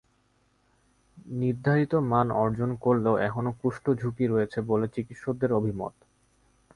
নির্ধারিত মান অর্জন করলেও এখনো কুষ্ঠ ঝুঁকি রয়েছে বলে চিকিৎসকদের অভিমত।